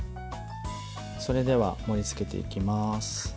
それでは、盛りつけていきます。